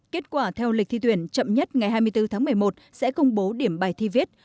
kết quả theo lịch thi tuyển chậm nhất ngày hai mươi bốn tháng một mươi một sẽ công bố điểm bài thi viết